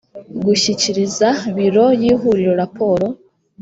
gushyikiriza biro y ihuriro raporo